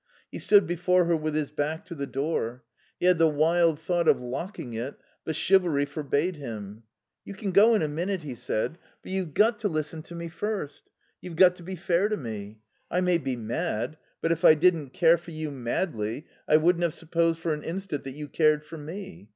He stood before her with his back to the door. (He had the wild thought of locking it, but chivalry forbade him.) "You can go in a minute," he said. "But you've got to listen to me first. You've got to be fair to me. I may be mad; but if I didn't care for you madly I wouldn't have supposed for an instant that you cared for me.